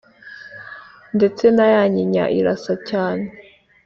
ndetse na ya nyinya irasa cyane